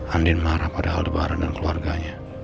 andin marah pada aldebaran dan keluarganya